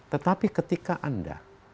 tetapi ketika anda